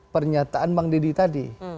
pernyataan bang deddy tadi